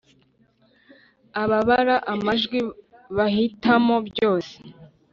ababara amajwi bahitamo byose